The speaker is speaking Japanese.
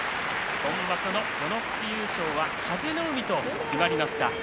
今場所の序ノ口優勝は風の湖と決まりました。